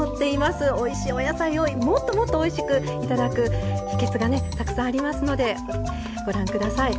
おいしいお野菜をもっともっとおいしく頂く秘けつがねたくさんありますのでご覧ください。